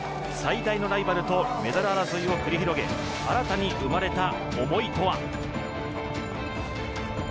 最大のライバルとメダル争いを繰り広げ、新たに生まれた思いとは。